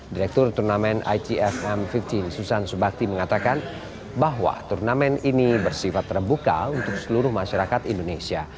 direktur turnamen itfm lima puluh susan subakti mengatakan bahwa turnamen ini bersifat terbuka untuk seluruh masyarakat indonesia